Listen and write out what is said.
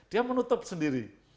dia menutup sendiri